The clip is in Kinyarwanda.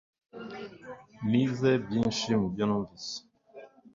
Nize byinshi mubyo numvise